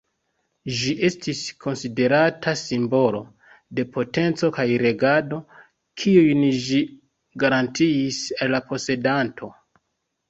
Ĝi estis konsiderata simbolo de potenco kaj regado, kiujn ĝi garantiis al la posedanto.